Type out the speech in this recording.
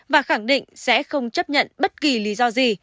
và khẳng định sẽ không chấp nhận bất kỳ lý do gì